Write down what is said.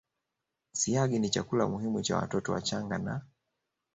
Siagi ni chakula muhimu cha watoto wachanga na